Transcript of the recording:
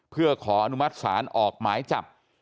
เพื่อขออนุมัติศาลออกหมายจับ